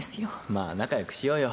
まあ仲良くしようよ。